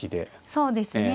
そうですね。